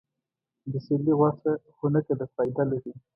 د سیرلي غوښه خونکه ده، فایده لري.